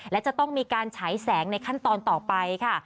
และจะต้องมีการฉายแสงในขั้นตอนต่อไปค่ะ